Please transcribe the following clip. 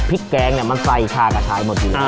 พริกแกงนี่มันใส่ขากระชายหมดอยู่